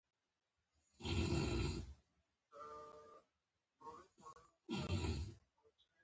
غوړې د خوراکي موادو د بهتر جذب لپاره اړینې دي.